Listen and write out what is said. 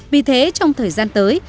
vì thế trong thời gian tới